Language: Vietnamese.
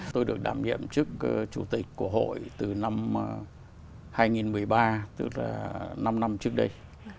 tôi được đảm nhiệm trước chủ tịch của hội từ năm hai nghìn một mươi ba tức là năm năm trước đây